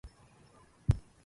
لكلّ قصّة نهاية.